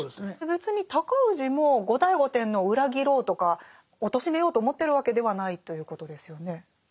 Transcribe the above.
別に尊氏も後醍醐天皇を裏切ろうとかおとしめようと思ってるわけではないということですよね。